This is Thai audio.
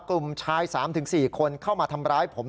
กลุ่มชาย๓๔คนเข้ามาทำร้ายผม